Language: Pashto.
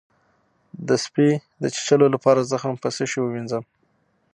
د سپي د چیچلو لپاره زخم په څه شی ووینځم؟